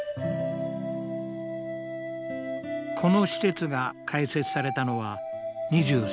この施設が開設されたのは２３年前。